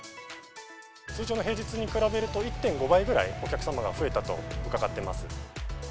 通常の平日に比べると、１．５倍ぐらい、お客様が増えたと伺っています。